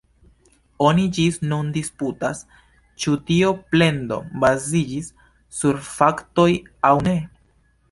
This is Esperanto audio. Oni ĝis nun disputas, ĉu tio plendo baziĝis sur faktoj aŭ ne.